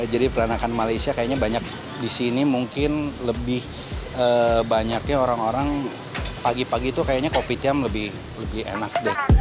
jadi peranakan malaysia kayaknya banyak di sini mungkin lebih banyaknya orang orang pagi pagi itu kayaknya kopi tiam lebih enak